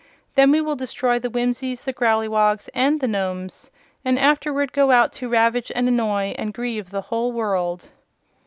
Then we will destroy the Whimsies, the Growleywogs and the Nomes, and afterward go out to ravage and annoy and grieve the whole world."